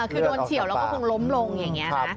คือโดนเฉียวแล้วก็คงล้มลงอย่างนี้นะ